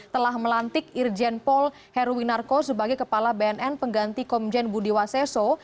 telah melantik irjen paul heruwinarko sebagai kepala bnn pengganti komjen budiwaseso